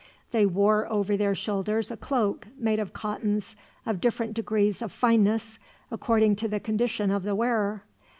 They wore over their shoulders a cloak, made of cottons of different degrees of fineness, according to the condition of the wearer.